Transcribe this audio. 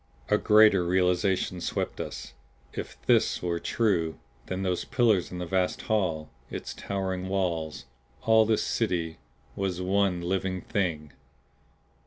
A greater realization swept us. If THIS were true, then those pillars in the vast hall, its towering walls all this City was one living Thing!